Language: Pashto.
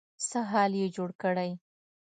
څه حال يې جوړ کړی.